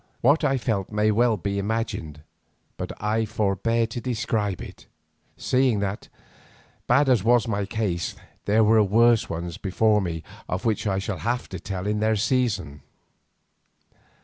What I felt may well be imagined, but I forbear to describe it, seeing that, bad as was my case, there were worse ones before me of which I shall have to tell in their season.